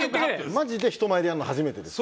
マジで人前でやるのは初めてです。